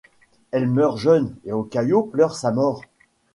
Elle meurt jeune et Ōkyo pleure sa mort.